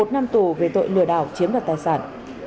một năm tù về tội lừa đảo chiếm đoạt tài sản